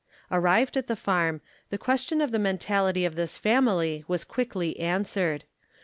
Arrived at the farm, the question of the mentality of this family was quickly answered.